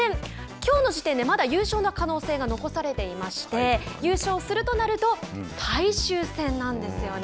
きょうの時点でまだ優勝の可能性が残されていまして優勝するとなると最終戦なんですよね。